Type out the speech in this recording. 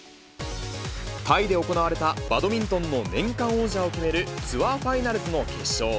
タイで行われたバドミントンの年間王者を決める、ツアーファイナルズの決勝。